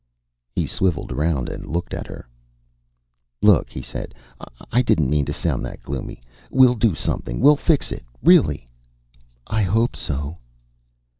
He swiveled around and looked at her. "Look," he said, "I didn't mean to sound that gloomy. We'll do something. We'll fix it. Really." "I hope so."